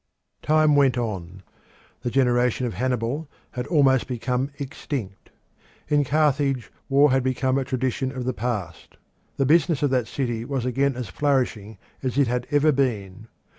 Time went on. The generation of Hannibal had almost become extinct. In Carthage war had become a tradition of the past. The business of that city was again as flourishing as it had ever been.